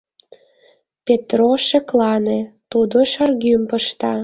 Петро, шеклане, тудо шаргӱм пышта!